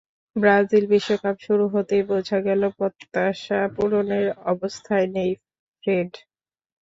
Brazil বিশ্বকাপ শুরু হতেই বোঝা গেল, প্রত্যাশা পূরণের অবস্থায় নেই ফ্রেড।